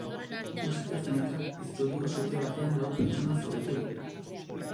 Ustez nahita pizturiko sute batean lau pertsona zauritu dira.